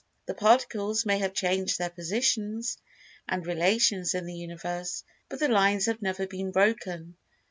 The Particles may have changed[Pg 188] their positions and relations in the Universe, but the lines have never been broken.